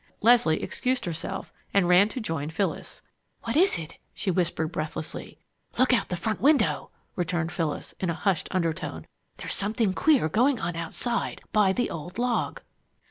Leslie excused herself and ran to join Phyllis. "What is it?" she whispered breathlessly. "Look out of the front window!" returned Phyllis, in a hushed undertone. "There's something queer going on outside by the old log!"